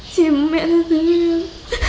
xin lỗi mẹ thật sự yêu yêu